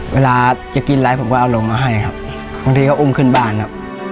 เวลาจะกินอะไรผมก็เอาลงมาให้ครับบางทีก็อุ้มขึ้นบ้านครับ